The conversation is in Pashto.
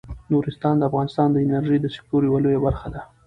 نورستان د افغانستان د انرژۍ د سکتور یوه لویه برخه ده.